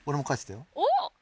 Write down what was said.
おっ！